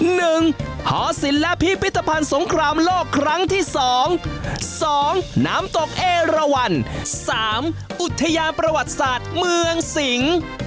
หอศิลป์และพิพิธภัณฑ์สงครามโลกครั้งที่สองสองน้ำตกเอราวันสามอุทยานประวัติศาสตร์เมืองสิง